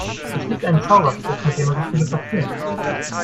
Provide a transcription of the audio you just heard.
Es gibt einen Zauberspruch, mit dem man sich teleportieren kann.